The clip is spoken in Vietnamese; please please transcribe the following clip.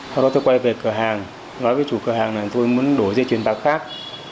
sau đó tôi quay về cửa hàng nói với chủ cửa hàng là tôi muốn đổi dây truyền bạc khác